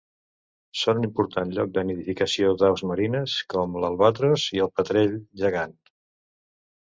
Són un important lloc de nidificació d'aus marines com l'albatros i el petrell gegant.